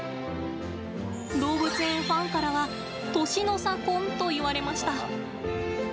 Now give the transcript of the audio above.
動物園ファンからは年の差婚と言われました。